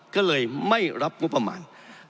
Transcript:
ก็เลยไม่รับงบประมาณ